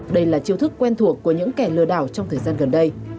đây là chiêu thức quen thuộc của những người đàn ông